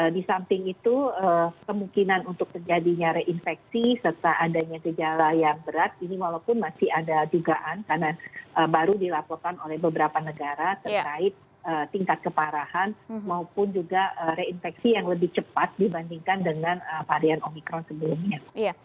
di samping itu kemungkinan untuk terjadinya reinfeksi serta adanya gejala yang berat ini walaupun masih ada dugaan karena baru dilaporkan oleh beberapa negara terkait tingkat keparahan maupun juga reinfeksi yang lebih cepat dibandingkan dengan varian omikron sebelumnya